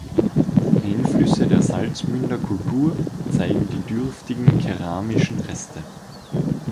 Einflüsse der Salzmünder Kultur zeigen die dürftigen keramischen Reste.